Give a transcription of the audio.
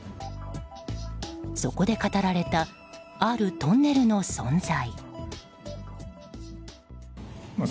そこで語られたあるトンネルの存在。